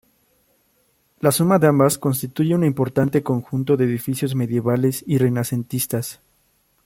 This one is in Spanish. La suma de ambas constituye un importante conjunto de edificios medievales y renacentistas.